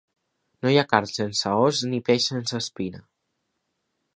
No hi ha carn sense os, ni peix sense espina.